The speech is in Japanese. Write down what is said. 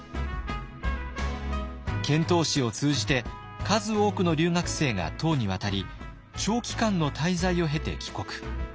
遣唐使を通じて数多くの留学生が唐に渡り長期間の滞在を経て帰国。